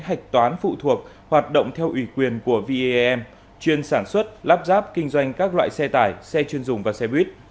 hạch toán phụ thuộc hoạt động theo ủy quyền của vem chuyên sản xuất lắp ráp kinh doanh các loại xe tải xe chuyên dùng và xe buýt